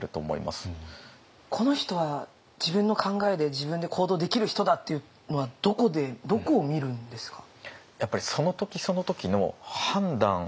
この人は自分の考えで自分で行動できる人だっていうのはどこでどこを見るんですか？